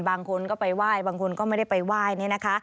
บางคนก็ไปไหว้บางคนก็ไม่ได้ไปไหว้